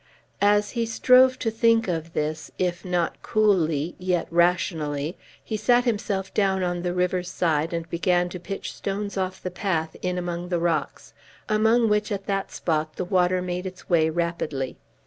As he strove to think of this, if not coolly yet rationally, he sat himself down on the river's side and began to pitch stones off the path in among the rocks, among which at that spot the water made its way rapidly.